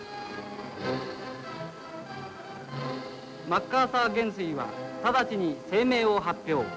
マッカーサー元帥は直ちに声明を発表